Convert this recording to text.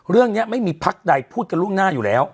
เรื่องนี้ไม่มีพักใดพูดกันล่วงหน้าอยู่แล้ว